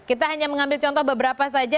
kita hanya mengambil contoh beberapa saja